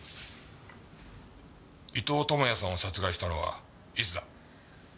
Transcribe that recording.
伊東知也さんを殺害したのはいつだ？